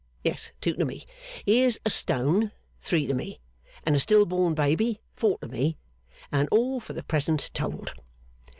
Yes, two to me. Here's a Stone; three to me. And a Still born Baby; four to me. And all, for the present, told.